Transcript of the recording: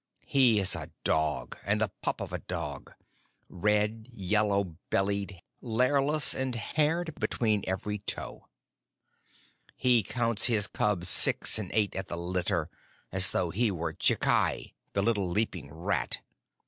He is a dog and the pup of a dog red, yellow bellied, lairless, and haired between every toe! He counts his cubs six and eight at the litter, as though he were Chikai, the little leaping rat.